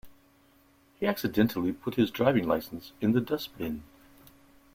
He accidentally put his driving licence in the dustbin